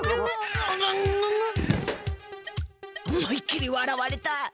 思いっきりわらわれた！